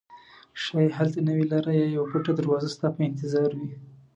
ښایي هلته نوې لاره یا یوه پټه دروازه ستا په انتظار وي.